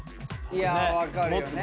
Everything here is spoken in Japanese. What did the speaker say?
いや分かるよね。